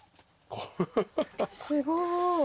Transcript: すごい。